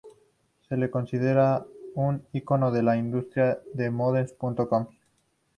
Se le considera un 'Icono de la industria' en Models.com.